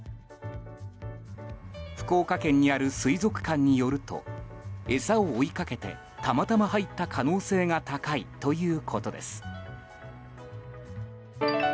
福岡県にある水族館によると餌を追いかけて、たまたま入った可能性が高いということです。